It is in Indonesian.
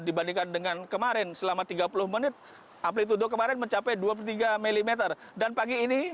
dibandingkan dengan kemarin selama tiga puluh menit amplitude kemarin mencapai dua puluh tiga mm dan pagi ini